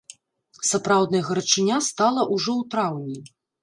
Сапраўдная гарачыня стала ўжо ў траўні.